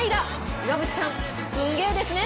岩渕さん、すんげぇですね。